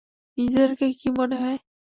নিজেদেরকে কি মনে হয়?